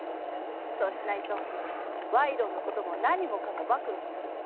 そうしないと賄賂の事も何もかも暴露する。